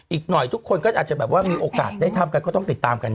อีกหน่อยทุกคนก็อาจจะแบบว่ามีโอกาสได้ทำกันก็ต้องติดตามกัน